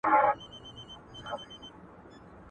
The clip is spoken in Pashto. ما خو مي د زړه منبر بلال ته خوندي کړی وو.